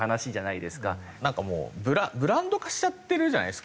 なんかもうブランド化しちゃってるじゃないですか。